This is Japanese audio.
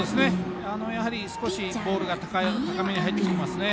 やはり少しボールが高めに入ってきてますね。